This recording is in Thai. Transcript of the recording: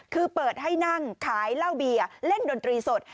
คือเปิดให้นั่งขายเหล้าเบียร์เล่นดนตรีสด